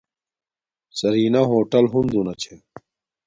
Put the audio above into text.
سرینا ہوٹل ہنزو نا چھا